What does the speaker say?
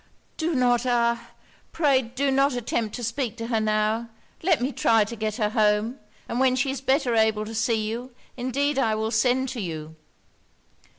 'Do not, ah! pray do not attempt to speak to her now. Let me try to get her home; and when she is better able to see you, indeed I will send to you.'